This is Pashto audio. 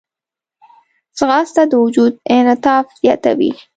ځغاسته د وجود انعطاف زیاتوي